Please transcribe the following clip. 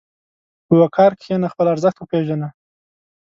په وقار کښېنه، خپل ارزښت وپېژنه.